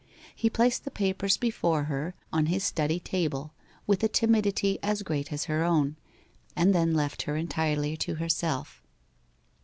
He placed the papers before her on his study table, with a timidity as great as her own, and then left her entirely to herself.